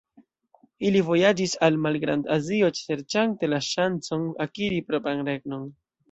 Ili vojaĝis al Malgrand-Azio, serĉante la ŝancon akiri propran regnon.